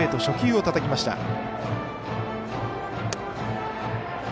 初球をたたきました。